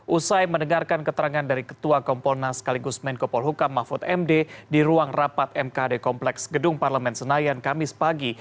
usai mendengarkan keterangan dari ketua kompolnas sekaligus menko polhukam mahfud md di ruang rapat mkd kompleks gedung parlemen senayan kamis pagi